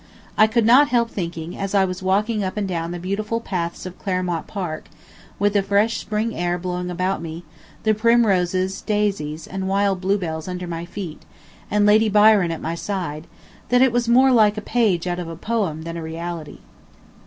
I could not help thinking, as I was walking up and down the beautiful paths of Claremont Park, with the fresh spring air blowing about me, the primroses, daisies, and wild bluebells under my feet, and Lady Byron at my side, that it was more like a page out of a poem than a reality.